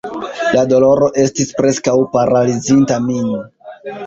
La doloro estis preskaŭ paralizinta min.